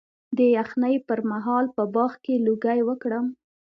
د یخنۍ پر مهال په باغ کې لوګی وکړم؟